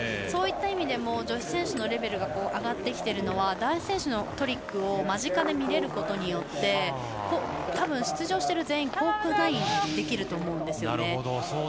そういった意味でも女子選手のレベルが上がってきているのは男子選手のトリックを間近で見れることによって多分、出場している全員がコーク９００ができると思うんですね。